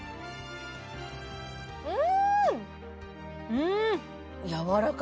うん！